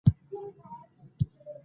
د بېلګې په توګه زه يې يو څو کرښې يادوم.